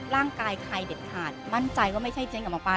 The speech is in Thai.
ร่างกายใครเด็ดขาดมั่นใจก็ไม่ใช่เจ้นกับหมอปลา